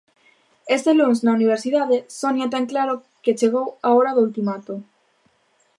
Ese luns na Universidade, Sonia ten claro que chegou a hora do ultimato.